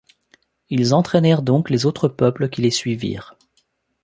Ils entraînèrent donc les autres peuples qui les suivirent.